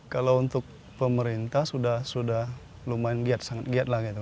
kalau untuk pemerintah sudah lumayan giat sangat giat lagi